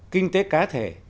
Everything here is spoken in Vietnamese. kinh tế cá thể